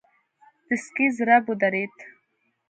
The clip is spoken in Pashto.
د سکې ضرب ودرېد.